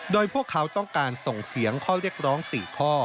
โดยพวกเขาต้องการส่งเสียงข้อเรียกร้อง๔ข้อ